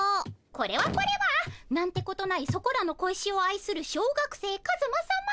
これはこれはなんてことないそこらの小石を愛する小学生カズマさま。